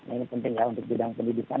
ini penting ya untuk bidang pendidikan